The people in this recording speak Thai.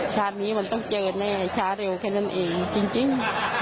ชาตินี้มันต้องเจอแน่ช้าเร็วแค่นั้นเองจริง